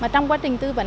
trong quá trình tư vấn